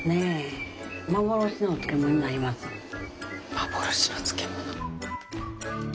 幻の漬物。